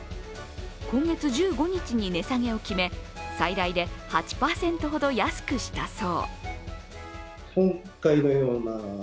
今月１５日に値下げを決め、最大で８％ほど安くしたそう。